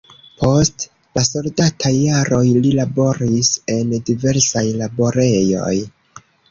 Post la soldataj jaroj li laboris en diversaj laborejoj.